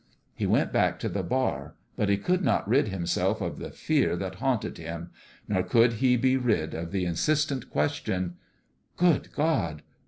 He went back to the bar ; but he could not rid himself of the fear that haunted him nor could he be rid of the insistent question " Good God